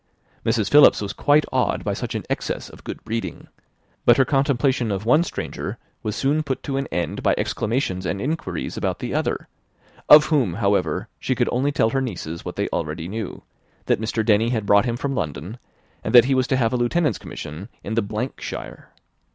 Mrs. Philips was quite awed by such an excess of good breeding; but her contemplation of one stranger was soon put an end to by exclamations and inquiries about the other, of whom, however, she could only tell her nieces what they already knew, that Mr. Denny had brought him from London, and that he was to have a lieutenant's commission in the shire.